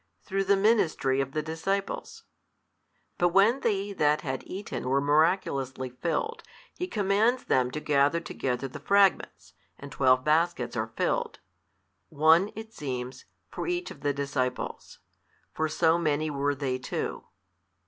through the ministry of the disciples: but when they that had eaten were miraculously filled, He commands them to gather together the fragments, and twelve baskets are filled, one (it seems) for each of the disciples: for so many were they too.